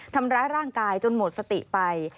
ทำร้ายร่างกายจนหมดสติไป